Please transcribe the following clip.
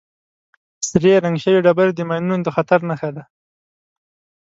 سرې رنګ شوې ډبرې د ماینونو د خطر نښه ده.